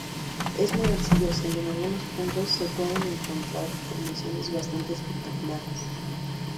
Es muy arcillosa y en algunos puntos se pueden encontrar formaciones bastante espectaculares.